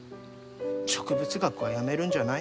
植物学はやめるんじゃない？